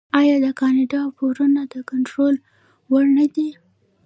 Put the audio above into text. آیا د کاناډا پورونه د کنټرول وړ نه دي؟